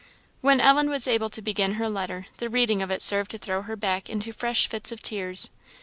When Ellen was able to begin her letter, the reading of it served to throw her back into fresh fits of tears.